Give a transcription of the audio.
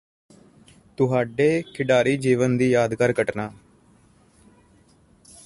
ਤੁਹਾਡੇ ਖਿਡਾਰੀ ਜੀਵਨ ਦੀ ਯਾਦਗਾਰ ਘਟਨਾ